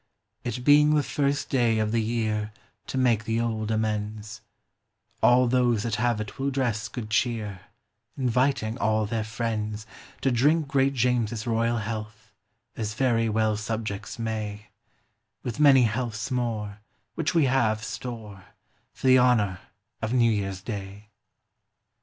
It being the first day of the year, To make the old amends, All those that have it will dress good cheer, Inviting all their friends To drink great James's royal health, As very well subjects may, With many healths more, which we have store, For the honor of New Year's day.